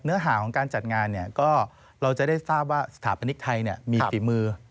เนื้อหาของการจัดงานก็เราจะได้ทราบว่าสถาปนิกไทยมีฝีมือ